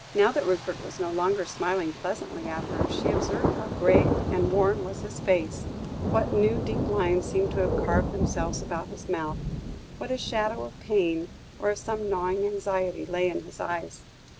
Now that Rupert was no longer smiling pleasantly at her, she observed how grave and worn was his face, what new deep lines seemed to have carved themselves about his mouth, what a shadow of pain, or of some gnawing anxiety lay in his eyes.